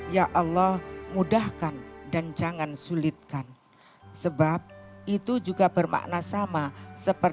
ya allahumma yassir wa la tuassir